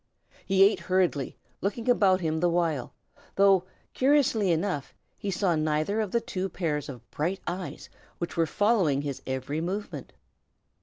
He ate hurriedly, looking about him the while, though, curiously enough, he saw neither of the two pairs of bright eyes which were following his every movement.